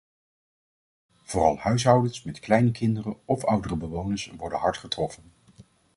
Vooral huishoudens met kleine kinderen of oudere bewoners worden hard getroffen.